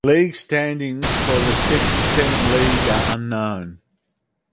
League standings for the six–team league are unknown.